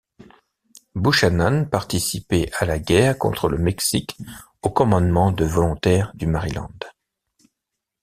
Buchanan participé à la guerre contre le Mexique au commandement de volontaires du Maryland.